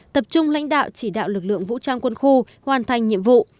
tập trung lãnh đạo chỉ đạo lực lượng vũ trang quân khu hoàn thành nhiệm vụ